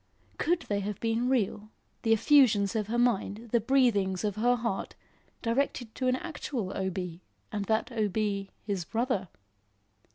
Could they have been real, the effusions of her mind, the breathings of her heart, directed to an actual O. B., and that O. B., his brother?